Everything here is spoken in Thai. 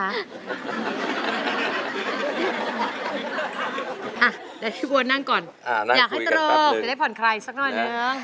อ่ะแล้วพี่บัวนั่งก่อนอยากให้ตรงอยากได้ผ่อนใครสักหน่อย